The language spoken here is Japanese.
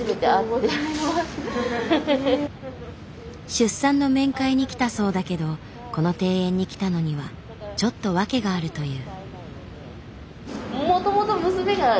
出産の面会に来たそうだけどこの庭園に来たのにはちょっと訳があるという。